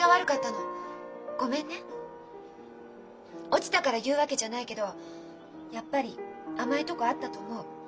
落ちたから言うわけじゃないけどやっぱり甘いとこあったと思う。